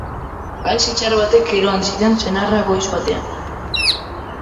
Haize txar batek eroan zidan senarra goiz batean.